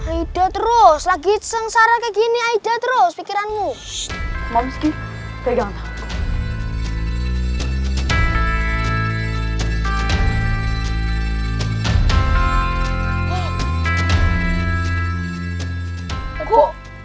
aida terus lagi sengsara kayak gini aida terus pikiranmu